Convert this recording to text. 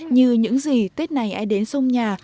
như những gì tết này ai đến sông nhà